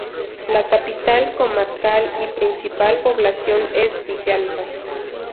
La capital comarcal y principal población es Villalba.